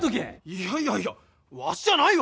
「いやいやいやわしじゃないわ！」